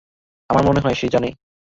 আমার মনে হয় সে জানে।